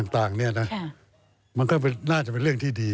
ต่างเนี่ยนะมันก็น่าจะเป็นเรื่องที่ดี